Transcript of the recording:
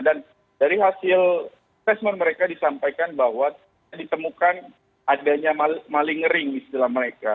dan dari hasil assessment mereka disampaikan bahwa ditemukan adanya maling ring di setelah mereka